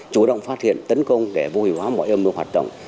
chủ động phát hiện tấn công để vô hiệu hóa mọi âm mưu hoạt động